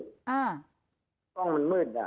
กล้องมันมืดอ่ะ